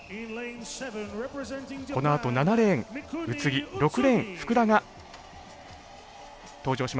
このあと７レーン宇津木６レーン福田が登場します。